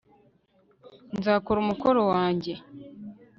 nzakora umukoro wanjye